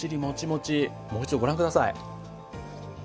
もう一度ご覧下さい。